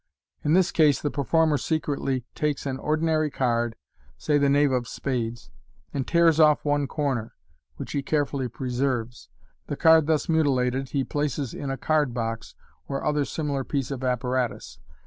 In this case the performer secretly takes an ordinary card, say the knave of spades, and tears off one corner, which he care fully preserves. The card thus mutilated he places in a card box, or other similar piece of apparatus.